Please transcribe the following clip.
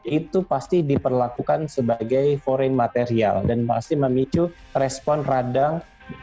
itu pasti diperlakukan sebagai foreign material dan pasti memicu respon radang